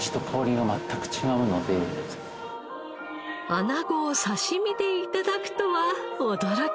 アナゴを刺身で頂くとは驚きです。